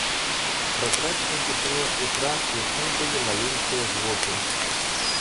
В прозрачной тишине утра слышны были малейшие звуки.